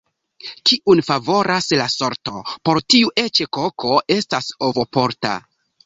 Kiun favoras la sorto, por tiu eĉ koko estas ovoporta.